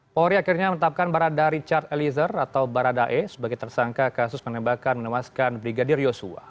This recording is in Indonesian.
polri akhirnya menetapkan barada richard eliezer atau baradae sebagai tersangka kasus penembakan menewaskan brigadir yosua